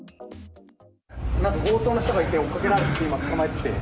なんか強盗の人がいて、追いかけられて、今、捕まえてて。